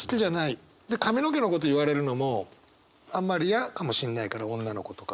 で髪の毛のこと言われるのもあんまり嫌かもしれないから女の子とか。